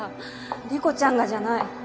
理子ちゃんがじゃない。